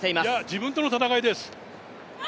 自分との戦いです。